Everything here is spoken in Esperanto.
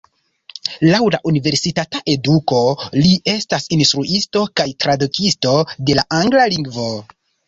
Laŭ la universitata eduko li estas instruisto kaj tradukisto de la angla lingvo.